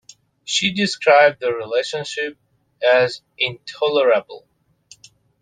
She described their relationship as "intolerable".